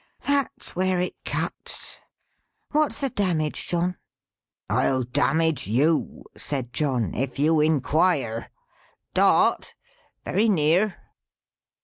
That's where it cuts. What's the damage, John?" "I'll damage you," said John, "if you inquire. Dot! Very near?"